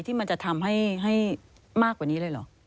ที่มันจะทำให้มากกว่านี้เลยเหรอ